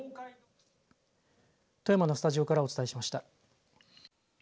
富山のスタジオからお伝えしました。